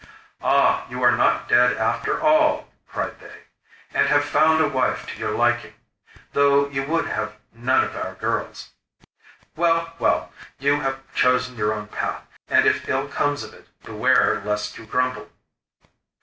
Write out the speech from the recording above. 'Ah, you are not dead after all,' cried they; 'and have found a wife to your liking, though you would have none of our girls. Well, well, you have chosen your own path; and if ill comes of it beware lest you grumble.